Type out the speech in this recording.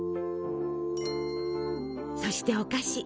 そしてお菓子。